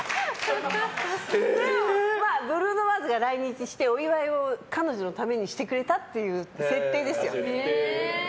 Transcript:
ブルーノ・マーズが来日してお祝いを彼女のためにしてくれたっていう設定ですよ。